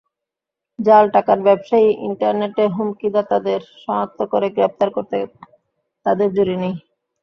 জাল টাকার ব্যবসায়ী, ইন্টারনেটে হুমকিদাতাদের শনাক্ত করে গ্রেপ্তার করতে তাদের জুড়িনেই।